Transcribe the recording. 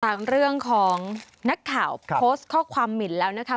เรื่องของนักข่าวโพสต์ข้อความหมินแล้วนะคะ